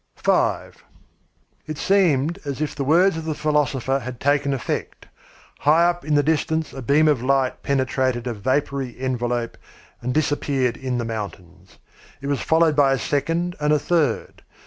V It seemed as if the words of the philosopher had taken effect. High up in the distance a beam of light penetrated a vapoury envelop and disappeared in the mountains. It was followed by a second and a third.